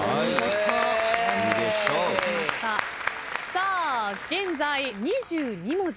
さあ現在２２文字。